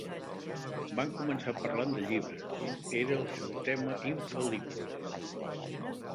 Van començar parlant de llibres: era el seu tema infal·lible.